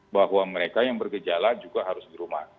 bahwa mereka yang bergejala juga harus di rumah